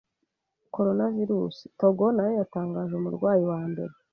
Coronavirus: Togo nayo yatangaje umurwayi wa mbere